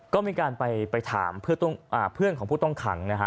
ก็มีการไปถามเพื่อนของผู้ต้องขังนะฮะ